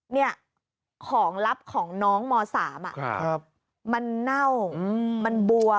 เนี่ยของลับของน้องม๓มันเน่ามันบวม